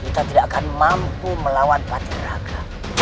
kita tidak akan mampu melawan pati raka